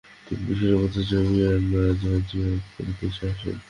তিনি মিশরের পথে জামিয়া আল আজহার যিয়ারত করে দেশে আসেন।